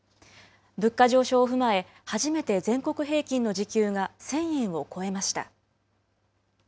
物価上昇を踏まえ、初めて全国平均の時給が１０００円を超えました。